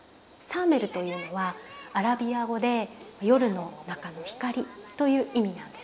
サーメルというのはアラビア語で「夜の中の光」という意味なんです。